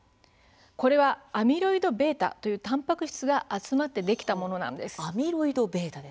これはアミロイドβというたんぱく質が集まってできたものなんです。